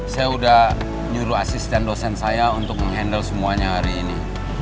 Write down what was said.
saya sudah nyuruh asisten dosen saya untuk menghandle semuanya hari ini